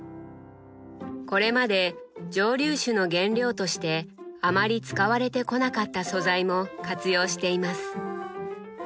これまで蒸留酒の原料としてあまり使われてこなかった素材も活用しています。